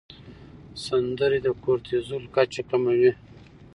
سندرې د کورتیزول کچه کموي.